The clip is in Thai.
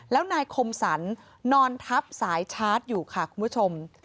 แล้วนายคมสรรนอนทับสายชาร์จอยู่ค่ะคุณผู้ชม